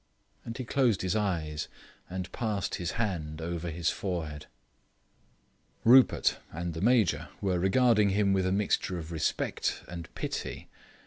And he closed his eyes and passed his hand over his forehead. Rupert and the Major were regarding him with a mixture of respect and pity.